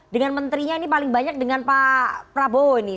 dengan menterinya ini paling banyak dengan pak prabowo ini